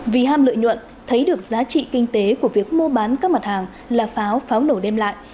vì ham lợi nhuận thấy được giá trị kinh tế của việc mua bán các mặt hàng là pháo pháo nổ đem lại